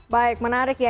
baik menarik ya